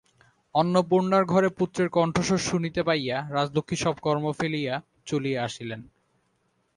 অন্নপূর্ণার ঘরে পুত্রের কণ্ঠস্বর শুনিতে পাইয়া রাজলক্ষ্মী সব কর্ম ফেলিয়া চলিয়া আসিলেন।